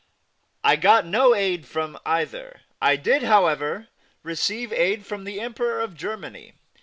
I got no aid from either. I did, however, receive aid from the Emperor of Germany.